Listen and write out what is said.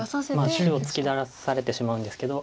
中央突き出されてしまうんですけど。